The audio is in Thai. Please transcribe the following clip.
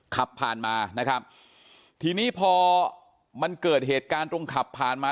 ขับผ่านมานะครับทีนี้พอมันเกิดเหตุการณ์ตรงขับผ่านมา